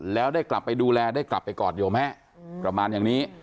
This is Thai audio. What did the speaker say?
แล้วได้กลับไปดูแลได้กลับไปกอดโยมแม่ประมาณอย่างนี้